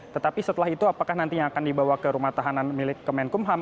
tetapi setelah itu apakah nantinya akan dibawa ke rumah tahanan milik kemenkumham